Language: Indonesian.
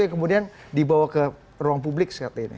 yang kemudian dibawa ke ruang publik